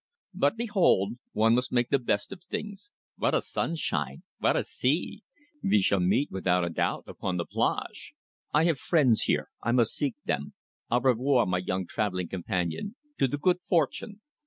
But behold! One must make the best of things. What a sunshine! What a sea! We shall meet, without a doubt, upon the Plage. I have friends here. I must seek them. Au revoir, my young travelling companion. To the good fortune!"